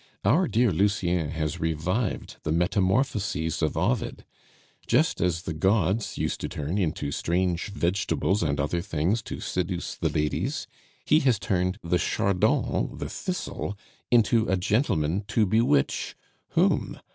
Our dear Lucien has revived the Metamorphoses of Ovid. Just as the gods used to turn into strange vegetables and other things to seduce the ladies, he has turned the Chardon (the Thistle) into a gentleman to bewitch whom?